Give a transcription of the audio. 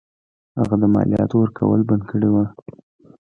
هغه د مالیاتو ورکول بند کړي وه.